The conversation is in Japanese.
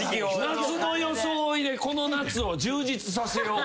夏の装いでこの夏を充実させようか。